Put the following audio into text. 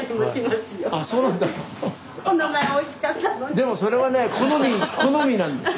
でもそれはね好みなんですよ。